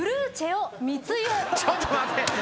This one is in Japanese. ちょっと待て。